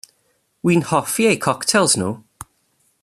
Wi'n hoffi eu coctêls nhw.